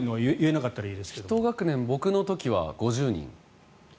１学年、僕の時は５０人。